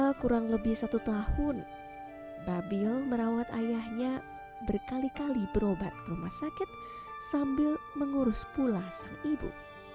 selama kurang lebih satu tahun babil merawat ayahnya berkali kali berobat ke rumah sakit sambil mengurus pula sang ibu